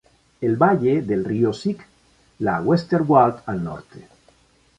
El valle del río Sieg la Westerwald al norte.